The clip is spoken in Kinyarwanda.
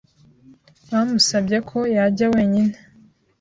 Bamusabye ko yajya wenyine.